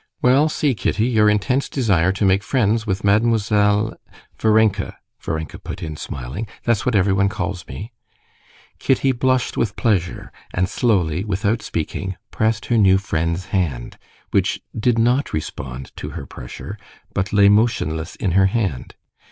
"Well, see, Kitty, your intense desire to make friends with Mademoiselle...." "Varenka," Varenka put in smiling, "that's what everyone calls me." Kitty blushed with pleasure, and slowly, without speaking, pressed her new friend's hand, which did not respond to her pressure, but lay motionless in her hand.